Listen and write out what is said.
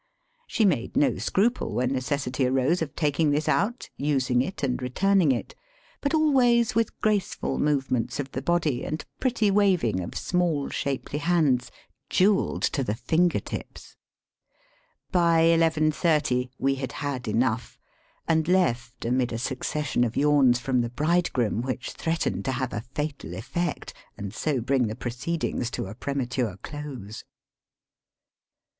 She made no scruple when necessity arose of taking this out, using it, and returning it ; but always with graceful move ments of the body and pretty waving of small, shapely hands, jewelled to the finger tips. By Digitized by VjOOQIC BURYING AND GIVINa IN MARRIAGE. 193 11.30 we had had enough, and left amid a succession of yawns from the bridegroom which threatened to have a fatal effect, and so bring the proceedings to a prematm'e close.